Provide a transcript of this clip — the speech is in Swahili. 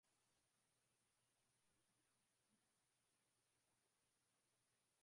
kisasa vya Uingereza Majengo makuu huko London